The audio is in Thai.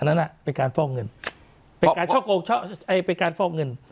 อันนั้นเป็นการฟอกเงินไปการช่อกงช่อไปการฟอกเงิน